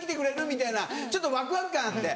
みたいなちょっとワクワク感あって。